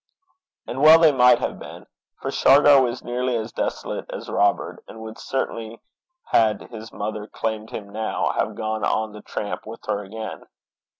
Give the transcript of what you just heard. And well they might have been; for Shargar was nearly as desolate as Robert, and would certainly, had his mother claimed him now, have gone on the tramp with her again.